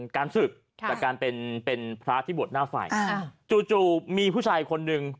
การศึกค่ะแต่การเป็นเป็นพระที่บวชหน้าไฟอ่าจู่จู่มีผู้ชายคนหนึ่ง